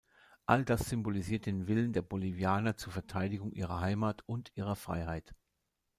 All das symbolisiert den Willen der Bolivianer zur Verteidigung ihrer Heimat und ihrer Freiheit.